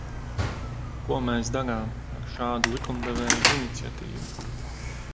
Ko mēs darām ar šādu likumdevēju iniciatīvu?